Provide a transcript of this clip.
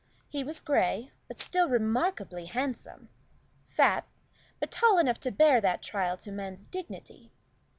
He was gray, but still remarkably handsome; fat, but tall enough to bear that trial to man's dignity.